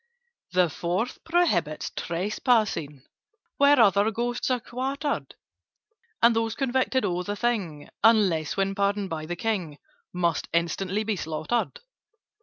"The Fourth prohibits trespassing Where other Ghosts are quartered: And those convicted of the thing (Unless when pardoned by the King) Must instantly be slaughtered.